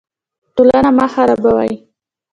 ټولنه مه خرابوئ